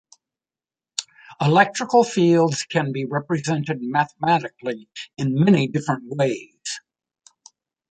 Electrical fields can be represented mathematically in many different ways.